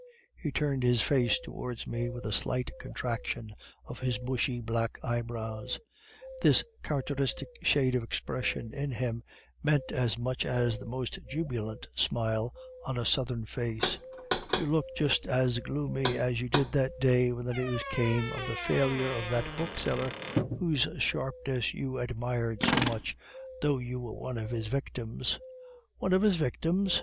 "He turned his face towards me with a slight contraction of his bushy, black eyebrows; this characteristic shade of expression in him meant as much as the most jubilant smile on a Southern face. "'You look just as gloomy as you did that day when the news came of the failure of that bookseller whose sharpness you admired so much, though you were one of his victims.' "'One of his victims?